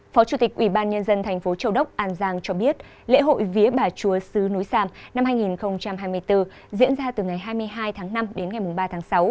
phó chủ tịch ubnd tp châu đốc an giang cho biết lễ hội vía bà chúa sứ núi sam năm hai nghìn hai mươi bốn diễn ra từ ngày hai mươi hai tháng năm đến ngày ba tháng sáu